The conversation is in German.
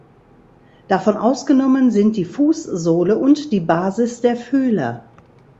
Davon ausgenommen sind die Fußsohle und die Basis der Fühler.